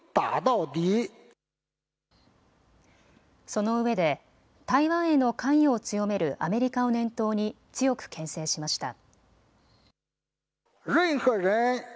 そのうえで台湾への関与を強めるアメリカを念頭に強くけん制しました。